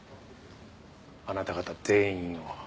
あなた方全員を。